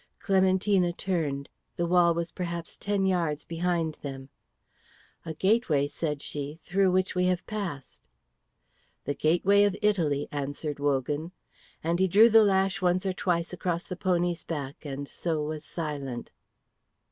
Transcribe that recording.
Clementina turned. The wall was perhaps ten yards behind them. "A gateway," said she, "through which we have passed." "The gateway of Italy," answered Wogan; and he drew the lash once or twice across the pony's back and so was silent.